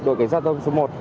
đội cảnh sát giao thông số một